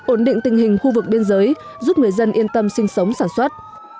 ổn định tình hình khu vực biên giới giúp người dân yên tâm sinh sống sản xuất